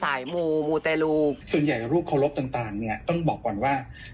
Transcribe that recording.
ซายมูมูแทรลูกส่วนใหญ่รูปโคลพต่างต่างเนี้ยต้องบอกก่อนว่า